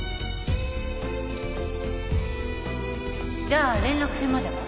じゃあ連絡船までは？